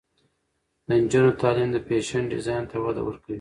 د نجونو تعلیم د فیشن ډیزاین ته وده ورکوي.